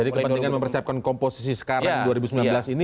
jadi kepentingan mempersiapkan komposisi sekarang dua ribu sembilan belas ini